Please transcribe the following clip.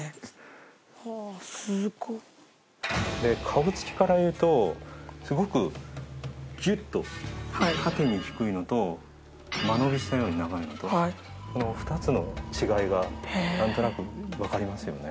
顔つきから言うとすごくキュッと縦に低いのと間延びしたように長いのとこの２つの違いがなんとなくわかりますよね。